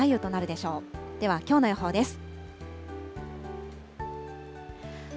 ではきょうの予報です。